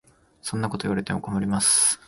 そんなこと言われても困ります。